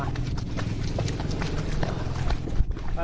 มามา